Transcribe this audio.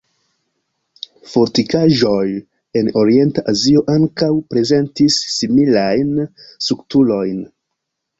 Fortikaĵoj en Orienta Azio ankaŭ prezentis similajn strukturojn.